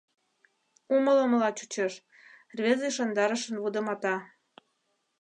— Умылымыла чучеш... — рвезе ӱшандарышын вудымата.